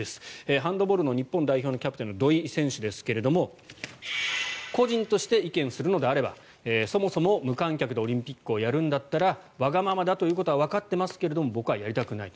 ハンドボールの日本代表のキャプテンの土井選手ですが個人として意見するのであればそもそも無観客でオリンピックをやるんだったらわがままだということはわかっていますけど僕はやりたくないと。